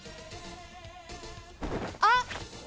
あっ！